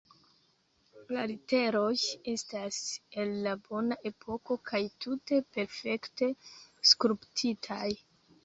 La literoj estas el la bona epoko kaj tute perfekte skulptitaj.